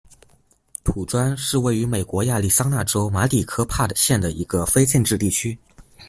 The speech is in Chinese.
土砖是位于美国亚利桑那州马里科帕县的一个非建制地区。